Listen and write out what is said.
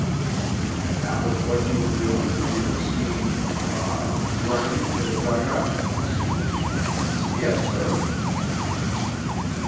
'And that was what you were doing when you were seen er, running to the dug out?' 'Yes, sir.'